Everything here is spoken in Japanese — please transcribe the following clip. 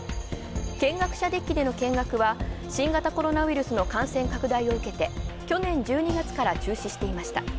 見学者デッキでの見学は、新型コロナウイルスの感染拡大を受けて去年１２月から中止していました。